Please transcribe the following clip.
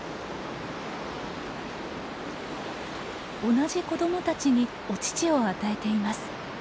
同じ子どもたちにお乳を与えています。